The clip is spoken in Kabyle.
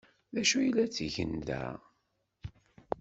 D acu ay la ttgen da?